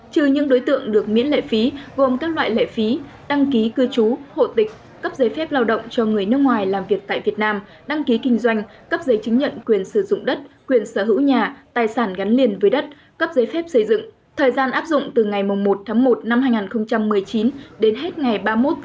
trừ những đối tượng được miễn lệ phí gồm các loại lệ phí đăng ký cư trú hộ tịch cấp giấy phép lao động cho người nước ngoài làm việc tại việt nam đăng ký kinh doanh cấp giấy chứng nhận quyền sử dụng đất quyền sở hữu nhà tài sản gắn liền với đất cấp giấy phép xây dựng thời gian áp dụng từ ngày một tháng một năm hai nghìn một mươi chín đến hết ngày ba mươi một tháng một mươi